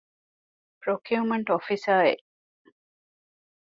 ޕްރޮކިއުމަންޓް އޮފިސަރ އެއް